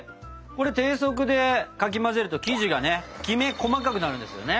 これ低速でかき混ぜると生地がねきめ細かくなるんですよね。